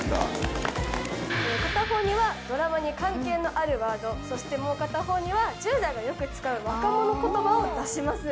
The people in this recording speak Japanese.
片方にはドラマに関係のあるワードそしてもう片方には１０代がよく使う若者言葉を出します。